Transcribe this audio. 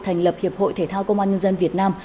thành lập hiệp hội thể thao công an nhân dân việt nam